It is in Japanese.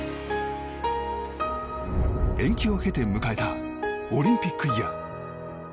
延期を経て迎えたオリンピックイヤー。